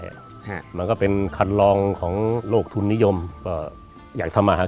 ฮะมันก็เป็นคันลองของโลกทุนนิยมก็อยากทำอาหาร